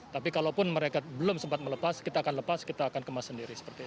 tapi kalaupun mereka belum sempat melepas kita akan lepas kita akan kemas sendiri seperti itu